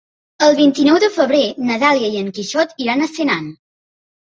El vint-i-nou de febrer na Dàlia i en Quixot iran a Senan.